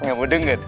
nggak mau denger